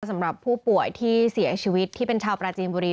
สำหรับผู้ป่วยที่เสียชีวิตที่เป็นชาวปราจีนบุรี